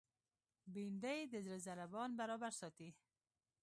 بېنډۍ د زړه ضربان برابر ساتي